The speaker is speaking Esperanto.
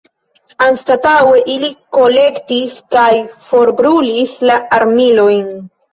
Anstataŭe ili kolektis kaj forbrulis la armilojn.